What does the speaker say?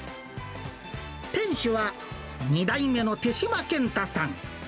店主は２代目の手島健太さん。